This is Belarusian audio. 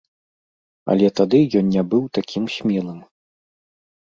Але тады ён не быў такім смелым.